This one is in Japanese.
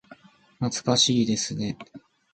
懐かしいですね。